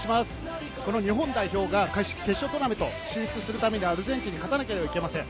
日本代表が決勝トーナメント進出するためにアルゼンチンに勝たなければいけません。